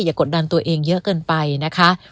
กดดันตัวเองเยอะเกินไปนะคะ